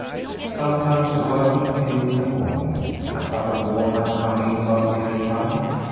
Sometimes a workman came in the morning; a couple more might come in about dinner time.